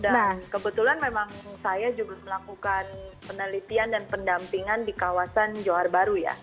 dan kebetulan memang saya juga melakukan penelitian dan pendampingan di kawasan johar baru ya